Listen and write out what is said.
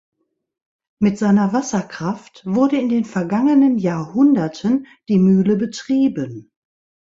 Mit seiner Wasserkraft wurde in den vergangenen Jahrhunderten die Mühle betrieben.